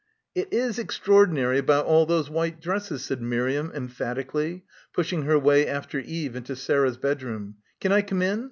"It is extraordinary about all those white dresses," said Miriam emphatically, pushing her way after Eve into Sarah's bedroom. "Can I come in?